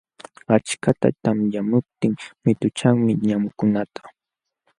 Achkata tamyamuptin mituchanmi ñamkunata.